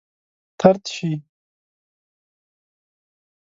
طرد شي.